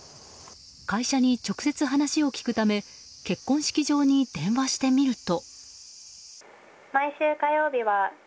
会社に直接話を聞くため結婚式場に電話してみると。